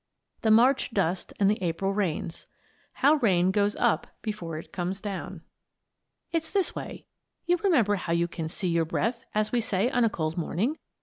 I. THE MARCH DUST AND THE APRIL RAINS HOW RAIN GOES UP BEFORE IT COMES DOWN It's this way: You remember how you can "see your breath," as we say, on a cold morning?